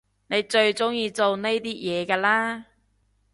你最中意做呢啲嘢㗎啦？